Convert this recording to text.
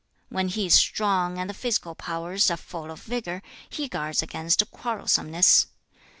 When he is strong and the physical powers are full of vigor, he guards against quarrelsomeness.